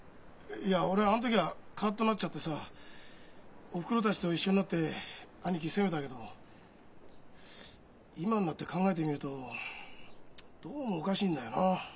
いや俺あん時はカッとなっちゃってさおふくろたちと一緒になって兄貴責めたけど今になって考えてみるとどうもおかしいんだよな。